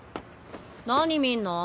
何見んの？